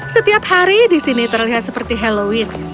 setiap hari di sini terlihat seperti halloween